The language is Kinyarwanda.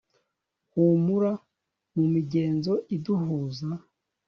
humura mumigenzo iduhuza